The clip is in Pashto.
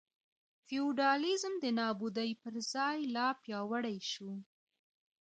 فیوډالېزم د نابودۍ پر ځای لا پیاوړی شو.